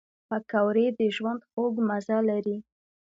پکورې د ژوند خوږ مزه لري